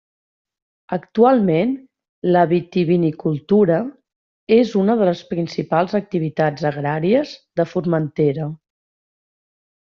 Actualment la vitivinicultura és una de les principals activitats agràries de Formentera.